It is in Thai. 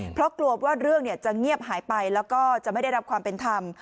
เพราะกลัวว่าเรื่องจะเงียบหายไปแล้วก็จะไม่ได้รับความเป็นธรรม